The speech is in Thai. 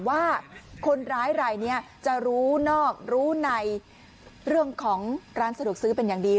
ว่าคนร้ายรายนี้จะรู้นอกรู้ในเรื่องของร้านสะดวกซื้อเป็นอย่างดี